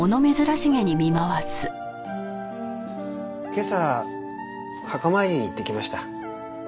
今朝墓参りに行ってきました。